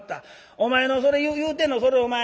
お前のそれ言うてんのそれお前